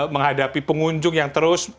menghadapi pengunjung yang terus